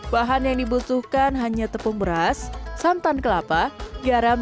bahan yang dibutuhkan hanya tepung beras santan kelapa garam